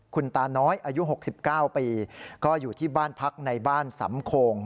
คุณตาน้อยอายุ๖๙ปีก็อยู่ที่บ้านพักในบ้านสำโคง